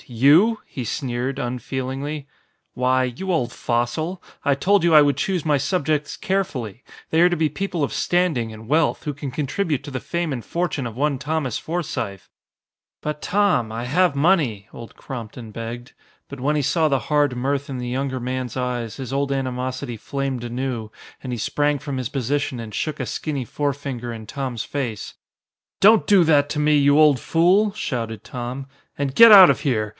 You?" he sneered, unfeelingly. "Why, you old fossil! I told you I would choose my subjects carefully. They are to be people of standing and wealth, who can contribute to the fame and fortune of one Thomas Forsythe." "But Tom, I have money," Old Crompton begged. But when he saw the hard mirth in the younger man's eyes, his old animosity flamed anew and he sprang from his position and shook a skinny forefinger in Tom's face. "Don't do that to me, you old fool!" shouted Tom, "and get out of here.